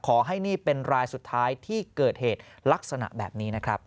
ขอให้นี่เป็นรายสุดท้ายที่เกิดเหตุลักษณะแบบนี้นะครับ